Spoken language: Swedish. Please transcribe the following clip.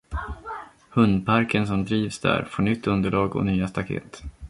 Hundparken som drivs där får nytt underlag och nya staket.